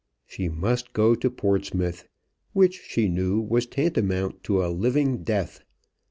She must go to Portsmouth; which she knew was tantamount to a living death.